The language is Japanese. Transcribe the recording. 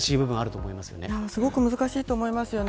すごく難しいと思います。